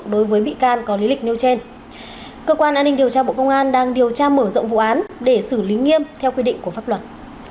đối với bị can có lý lịch nêu trên cơ quan an ninh điều tra bộ công an đang điều tra mở rộng vụ án để xử lý nghiêm theo quy định của pháp luật